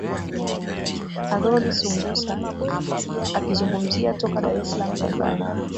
harod sungusia akizungumzia toka dar es salaam tanzania